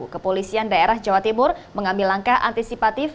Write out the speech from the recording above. kepolisian daerah jawa timur mengambil langkah antisipatif